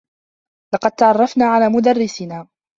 لقد تعرّفنا على مدرّسنا.